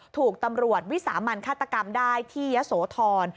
ถูกตำรวจวิสามันฆาตกรรมได้ที่ยะโสธร